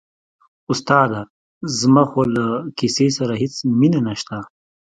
استاده زما خو له کیسې سره هېڅ مینه نشته.